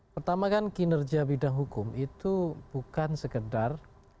pertama kan kinerja bidang hukum itu bukan sekedar